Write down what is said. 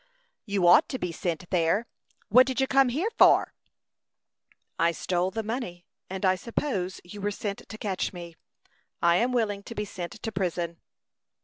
"You ought to be sent there. What did you come here for?" "I stole the money, and I suppose you were sent to catch me. I am willing to be sent to prison."